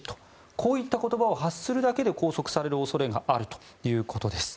こういった言葉を発するだけで拘束される恐れがあるということです。